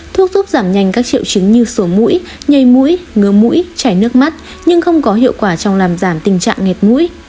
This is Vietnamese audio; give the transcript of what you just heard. thuốc giúp giảm nhanh các triệu chứng như sổ mũi nhây mũi ngớ mũi chảy nước mắt nhưng không có hiệu quả trong làm giảm tình trạng nghẹt mũi